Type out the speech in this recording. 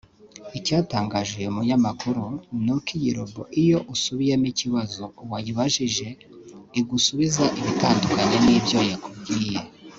Icyatangaje uyu munyamakuru ni uko iyi Robo iyo usubiyemo ikibazo wayibajije igusubiza ibitandukanye n’ibyo yakubwiye